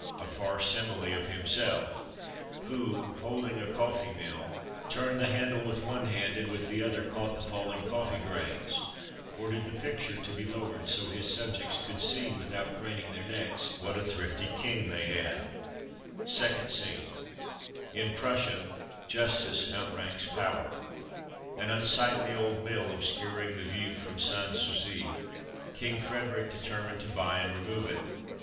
a far simile of himself, who, holding a coffee mill, turned the handle with one hand and with the other caught the falling coffee grains, ordered the picture to be lowered so his subjects could see. without craning their necks, what a thrifty king they had. 63 Christmas Under Three flags 2nd Scene. — In Prussia Justice outranks Power : An unsightly old mill obscuring the view from Sans Souci, King Frederic determined to buy and remove it.